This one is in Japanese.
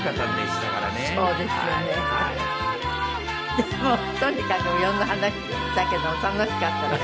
でもとにかく色んな話したけど楽しかったです。